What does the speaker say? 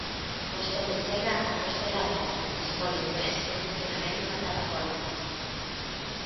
Vostede chega a Compostela Aberta despois de meses de funcionamento da plataforma.